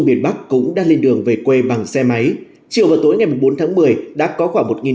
miền bắc cũng đang lên đường về quê bằng xe máy chiều vào tối ngày bốn tháng một mươi đã có khoảng